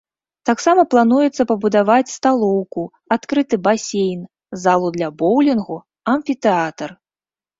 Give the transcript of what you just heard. Таксама плануецца пабудаваць сталоўку, адкрыты басейн, залу для боўлінгу, амфітэатр.